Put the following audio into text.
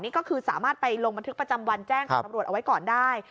นี่ก็คือสามารถไปลงบันทึกประจำวันแจ้งกับตำรวจเอาไว้ก่อนได้